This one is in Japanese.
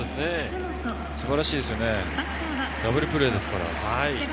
素晴らしいですね、ダブルプレーですから。